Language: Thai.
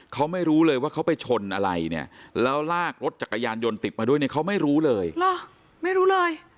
เขาไม่รู้เลยว่าเขาไปชนอะไรแล้วลากรถจักรยานยนต์ติดมาด้วยเขาไม่รู้เลย